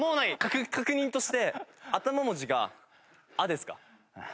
確認として頭文字が「あ」ですか？